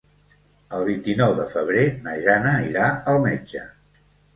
El vint-i-nou de febrer na Jana irà al metge.